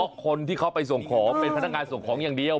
เพราะคนที่เขาไปส่งของเป็นพนักงานส่งของอย่างเดียว